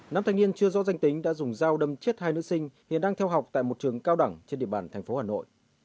nam thanh niên chưa rõ danh tính đã dùng dao đâm chết hai nữ sinh hiện đang theo học tại một trường cao đẳng trên địa bàn thành phố hà nội